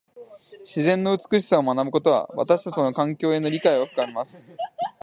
自然の美しさを学ぶことは、私たちの環境への理解を深めます。